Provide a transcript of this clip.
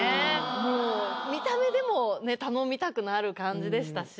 もう見た目でも頼みたくなる感じでしたし